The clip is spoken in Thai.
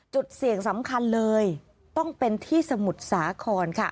จุดเสี่ยงสำคัญเลยต้องเป็นที่สมุทรสาครค่ะ